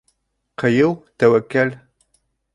Ҡыйыу, тәүәккәл